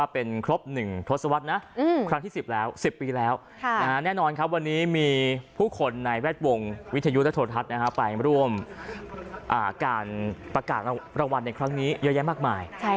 ประกาศประวัติในครั้งนี้เยอะแยกมากมาย